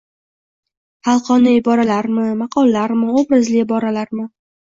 Xalqona iboralarmi, maqollarmi, obrazli iboralarmi?